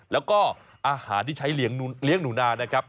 แล้วก็อาหารที่ใช้เลี้ยงหนูนานะครับ